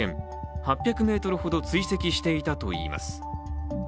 ８００ｍほど追跡していたといいます。